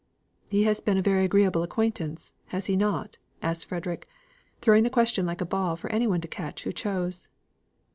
"He has been a very agreeable acquaintance, has he not?" asked Frederick, throwing the question like a ball for any one to catch who chose.